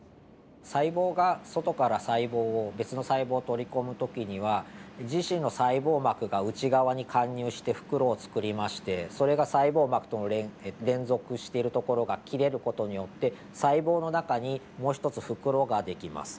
細胞が外から細胞を別の細胞を取り込む時には自身の細胞膜が内側に貫入して袋をつくりましてそれが細胞膜との連続しているところが切れる事によって細胞の中にもう一つ袋が出来ます。